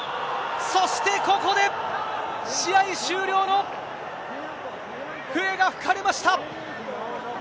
そしてここで、試合終了の笛が吹かれました。